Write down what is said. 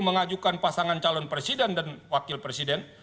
mengajukan pasangan calon presiden dan wakil presiden